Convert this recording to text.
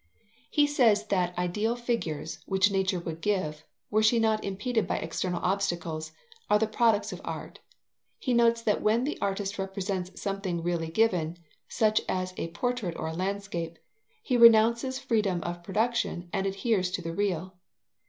He says that ideal figures, which Nature would give, were she not impeded by external obstacles, are the products of art. He notes that when the artist represents something really given, such as a portrait or a landscape, he renounces freedom of production and adheres to the real.